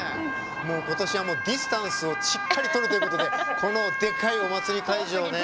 もう今年はディスタンスをしっかり取るということでこのでかいお祭り会場ね